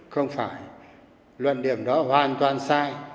không phải luận điểm đó hoàn toàn sai